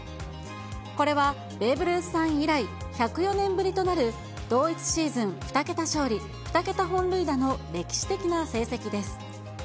これはベーブ・ルースさん以来、１０４年ぶりとなる同一シーズン２桁勝利２桁本塁打の歴史的な成績です。